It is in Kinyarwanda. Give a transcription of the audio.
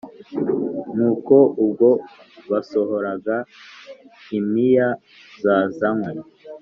Nuko ubwo basohoraga impiya zazanywe